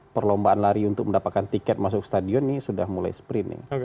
perlombaan lari untuk mendapatkan tiket masuk stadion ini sudah mulai sprint